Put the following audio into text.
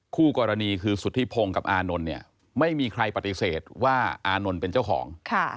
คู่กรณีคือสุธิพงศ์กับอานนท์เนี่ยไม่มีใครปฏิเสธว่าอานนท์เป็นเจ้าของ